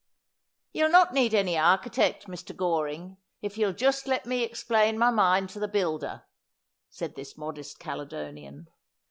134 Asphodel. ' Ye'll not need any architect, Mr. Goring, if ye'll joost let me explain my mind to the builder,' said this modest Caledonian.